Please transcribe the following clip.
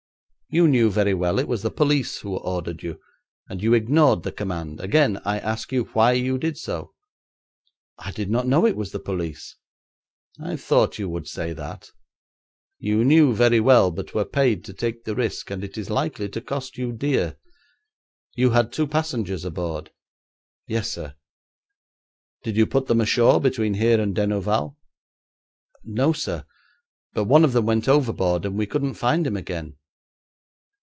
'You knew very well it was the police who ordered you, and you ignored the command. Again I ask you why you did so.' 'I did not know it was the police.' 'I thought you would say that. You knew very well, but were paid to take the risk, and it is likely to cost you dear. You had two passengers aboard?' 'Yes, sir.' 'Did you put them ashore between here and Denouval?' 'No, sir; but one of them went overboard, and we couldn't find him again.'